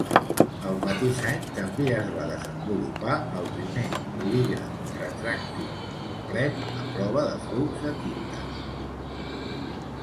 El mateix any també es va desenvolupar el primer bolígraf retràctil complet a prova de flux de tinta.